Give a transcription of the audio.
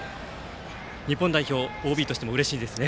日本代表ＯＢとしてもうれしいですね。